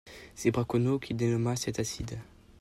C'est Braconnot qui dénomma cet acide.